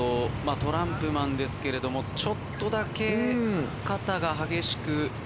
トランプマンですけれどもちょっとだけ。